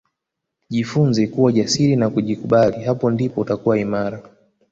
Jifunze kuwa jasiri na kujikubali hapo ndipo utakuwa imara